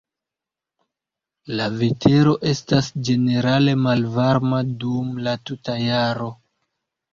La vetero estas ĝenerale malvarma dum la tuta jaro.